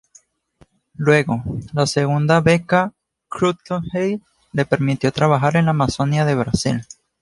Luego, la segunda beca Guggenheim, le permitió trabajar en la Amazonía del Brasil.